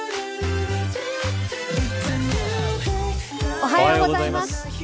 おはようございます。